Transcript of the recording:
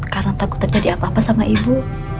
karena takut terjadi apa apa sama ibu